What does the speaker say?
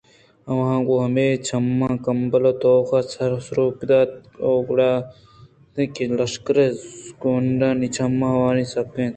آوان گوں ہمے چماں کمبل ءِ توک ءَ سرُک دات ءُگڑ اِت اَنت کہ لشکرے گونڈوانی چم آواں سک اِنت